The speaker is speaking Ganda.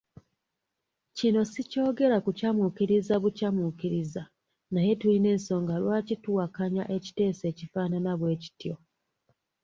Kino sikyogera kukyamuukiriza bukyamuukiriza naye tulina ensonga lwaki tuwakanya ekiteeso ekifaanana bwekityo.